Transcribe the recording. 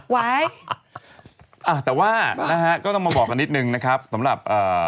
ไว้อ่าแต่ว่านะฮะก็ต้องมาบอกกันนิดนึงนะครับสำหรับเอ่อ